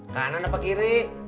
kanan apa kiri